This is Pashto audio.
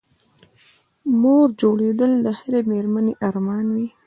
مور جوړېدل د هرې مېرمنې ارمان وي